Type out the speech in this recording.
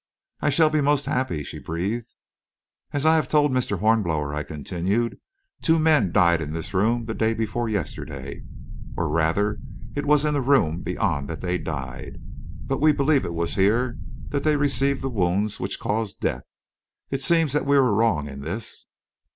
"I shall be most happy!" she breathed. "As I have told Mr. Hornblower," I continued, "two men died in this room the day before yesterday. Or, rather, it was in the room beyond that they died; but we believed it was here they received the wounds which caused death. It seems that we were wrong in this."